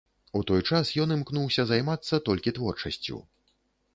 У той час ён імкнуўся займацца толькі творчасцю.